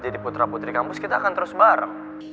jadi putra putri kampus kita akan terus bareng